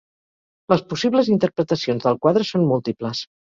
Les possibles interpretacions del quadre són múltiples.